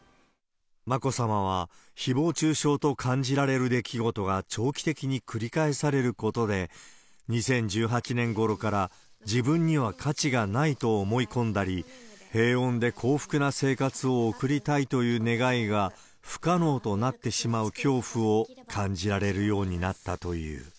眞子さまは、ひぼう中傷と感じられる出来事が長期的に繰り返されることで、２０１８年ごろから、自分には価値がないと思い込んだり、平穏で幸福な生活を送りたいという願いが不可能となってしまうような恐怖を感じられるようになったという。